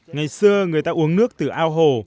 ngày xưa người ta uống nước từ ao hồ